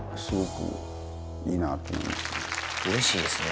うれしいですね。